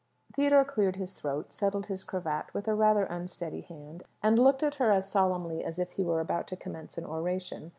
Theodore cleared his throat, settled his cravat with a rather unsteady hand, and looked at her as solemnly as if he were about to commence an oration.